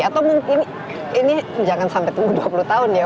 atau mungkin ini jangan sampai tunggu dua puluh tahun ya